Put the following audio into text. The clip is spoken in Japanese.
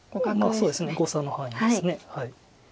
そうですね誤差の範囲です。